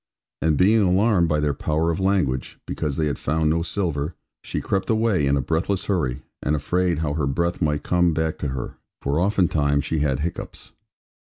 And being alarmed by their power of language (because they had found no silver), she crept away in a breathless hurry, and afraid how her breath might come back to her. For oftentime she had hiccoughs.